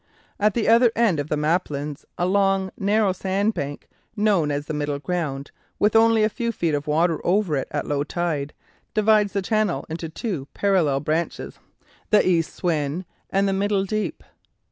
At the outer end of the Maplins a long, narrow sandbank, known as the Middle Ground, with only a few feet of water over it at low tide, divides the channel into two parallel branches, the East Swin and the Middle Deep.